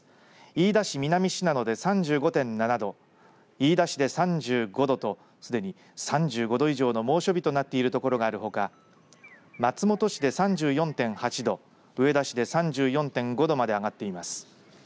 飯田市南信濃で３５．７度飯田市で３５度とすでに３５度以上の猛暑日となっている所があるほか松本市で３４．８度上田市で３４．５度まで上がっています。